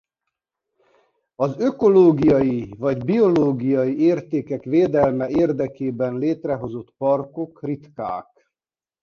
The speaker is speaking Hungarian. Az ökológiai vagy biológiai értékek védelme érdekében létrehozott parkok ritkák.